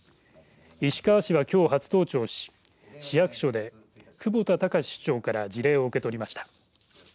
石川氏は、きょう初登庁し市役所で久保田崇市長から辞令を受け取りました。